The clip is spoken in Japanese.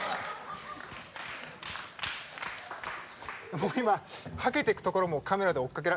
僕今はけてくところもカメラで追っかけら。